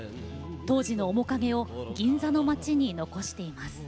当時の面影を銀座の街に残しています。